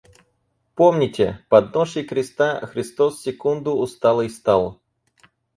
Помните: под ношей креста Христос секунду усталый стал.